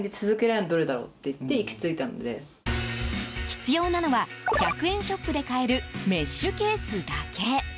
必要なのは１００円ショップで買えるメッシュケースだけ。